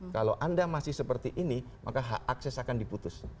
kalau anda masih seperti ini maka hak akses akan diputus